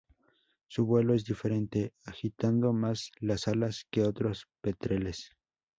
Su vuelo es diferente, agitando más las alas que otros petreles.